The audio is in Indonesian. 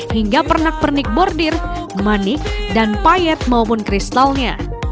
hingga pernak pernik bordir manik dan payet maupun kristalnya